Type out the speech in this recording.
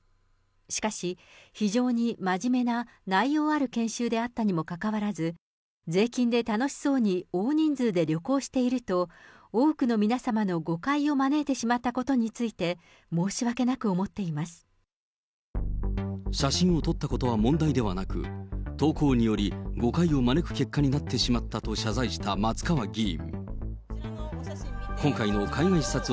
しかし、非常にまじめな内容ある研修であったにもかかわらず、税金で楽しそうに大人数で旅行していると、多くの皆様の誤解を招いてしまったことについて、写真を撮ったことは問題ではなく、投稿により、誤解を招く結果になってしまったと謝罪した松川議員。